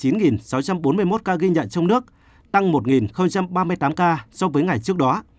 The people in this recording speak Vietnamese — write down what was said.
sáu trăm bốn mươi một ca ghi nhận trong nước tăng một ba mươi tám ca so với ngày trước đó